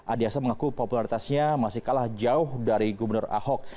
adiasa mengaku popularitasnya masih kalah jauh dari gubernur ahok